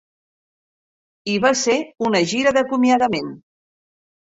I va ser una gira d'acomiadament.